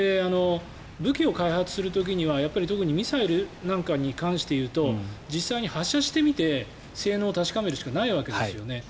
武器を開発する時には特にミサイルに関していうと実際、発射してみて性能を確かめるしかないわけですよね。